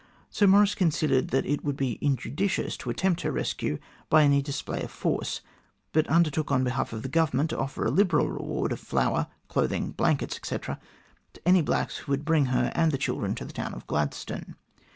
Sir Maurice considered that it would be injudicious to attempt her rescue by any display of force, but undertook on behalf of the Government to offer a liberal reward of flour, cloth ing, blankets, etc., to any blacks who would bring her and the children to the town of Gladstone.